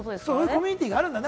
コミュニティーがあるんだね。